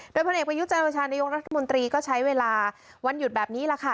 โดยพลเอกประยุจันโอชานายกรัฐมนตรีก็ใช้เวลาวันหยุดแบบนี้แหละค่ะ